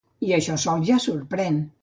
I això sol ja sorprèn.